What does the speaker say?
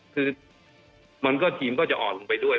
คือมันก็ทีมก็จะอ่อนลงไปด้วย